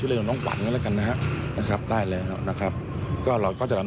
ทีนี้ก็ไม่อยากจะให้ข้อมูลอะไรมากนะกลัวจะเป็นการตอกย้ำเสียชื่อเสียงให้กับครอบครัวของผู้เสียหายนะคะ